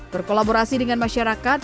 berkolaborasi dengan masyarakat